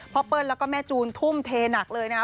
พ่อเปิ้ลและแม่จูนถุ้มเทหนักเลยนะ